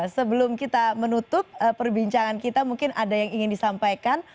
sebelum kita menutup perbincangan kita mungkin ada yang ingin disampaikan